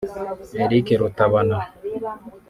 Eric Rutabana